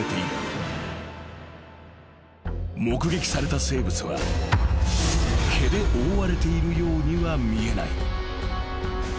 ［目撃された生物は毛で覆われているようには見えない］